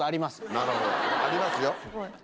なるほどありますよ。